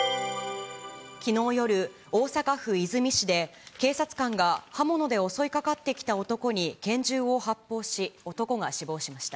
きのう夜、大阪府和泉市で、警察官が刃物で襲いかかってきた男に拳銃を発砲し、男が死亡しました。